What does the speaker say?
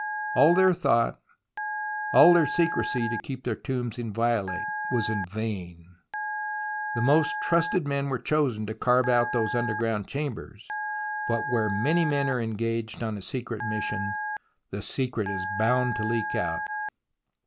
All their thought, all their secrecy to keep their tombs inviolate, was in vain. The most trusted men were chosen to carve out these underground chambers, but where many men are engaged on a secret mission, the secret is bound to leak out.